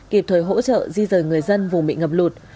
kịp thời hỗ trợ di rời người dân vùng bị ngập lụt